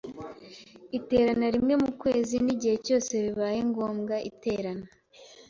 iterana rimwe mu kwezi n’igihe cyose bibaye ngombwa. Iterana